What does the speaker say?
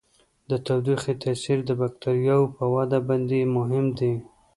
د تودوخې تاثیر د بکټریاوو په وده باندې مهم دی.